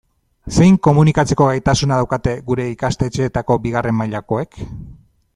Zein komunikatzeko gaitasuna daukate gure ikastetxeetako bigarren mailakoek?